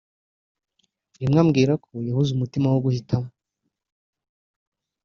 rimwe ambwira ko yabuze umutima wo guhitimo